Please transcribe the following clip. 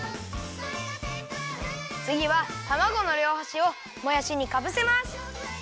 つぎはたまごのりょうはしをもやしにかぶせます。